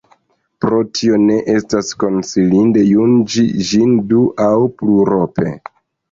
Pro tio ne estas konsilinde jungi ĝin du- aŭ plurope.